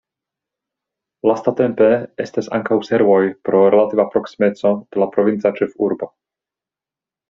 Lastatempe estas ankaŭ servoj pro relativa proksimeco de la provinca ĉefurbo.